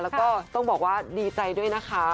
แล้วก็ต้องบอกว่าดีใจด้วยนะคะ